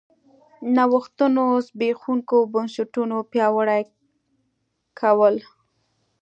نوښتونو زبېښونکي بنسټونه پیاوړي کول